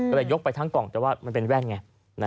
ก็เลยยกไปทั้งกล่องแต่ว่ามันเป็นแว่นไง